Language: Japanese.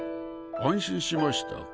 安心しましたか？